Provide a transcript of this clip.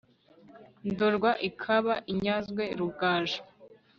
ndorwa ikaba inyazwe rugaju